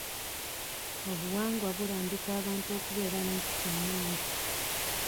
Obuwangwa bulambika abantu okubeera n'empisa ennungi.